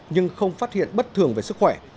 nhưng không phát hiện bất thường về sức khỏe